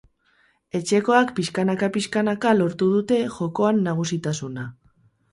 Etxekoak pixkanaka-pixkanaka lortu dute jokoan nagusitasuna.